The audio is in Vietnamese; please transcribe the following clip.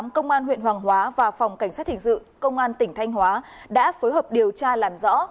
công an huyện hoàng hóa và phòng cảnh sát hình sự công an tỉnh thanh hóa đã phối hợp điều tra làm rõ